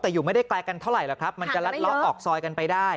แต่อยู่ไม่ได้ไกลกันเท่าไหรหรอกครับมันจะลัดเลาะออกซอยกันไปได้